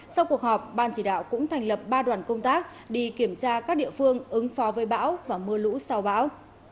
sau cuộc họp ban chỉ đạo cũng thành lập ba đoàn công tác đi kiểm tra các địa phương ứng phó với bão và mưa lũ sau bão